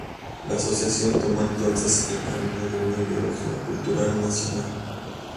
La asociación tomó entonces el camino de una ideología cultural nacional.